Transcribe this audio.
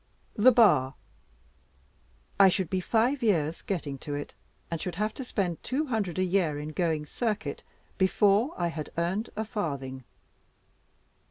The Bar? I should be five years getting to it, and should have to spend two hundred a year in going circuit before I had earned a farthing.